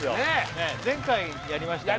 前回やりましたね